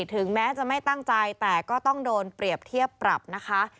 ถึงแม้จะไม่ตั้งใจแต่ก็ต้องโดนเปรียบเทียบปรับนะคะ